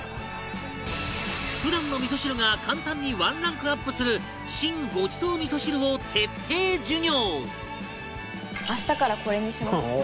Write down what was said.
普段の味噌汁が簡単にワンランクアップする新ごちそう味噌汁を徹底授業